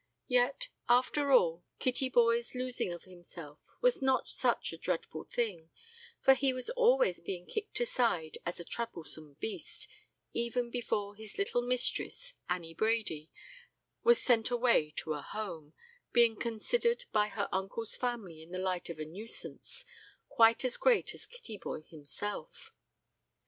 Yet, after all, Kittyboy's losing of himself was not such a dreadful thing, for he was always being kicked aside as a troublesome beast, even before his little mistress, Annie Brady, was sent away to a Home, being considered by her uncle's family in the light of a nuisance, quite as great as Kittyboy himself.